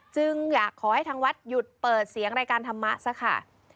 จึงอยากขอให้ทางวัดหยุดเปิดเสียงรายการธรรมะซะค่ะ